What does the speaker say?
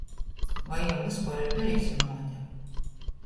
Voi jam vyspuor ir bejuse muote.